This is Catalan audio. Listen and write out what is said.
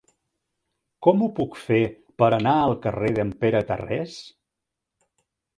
Com ho puc fer per anar al carrer de Pere Tarrés?